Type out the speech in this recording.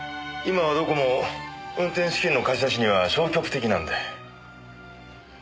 今はどこも運転資金の貸し出しには消極的なんで。